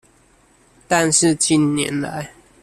但是近年來